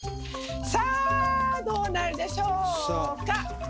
さあどうなるでしょか！